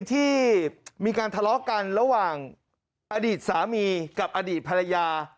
ที่มีการทะเลาะกันระหว่างอดีตสามีกับอดีตภรรยา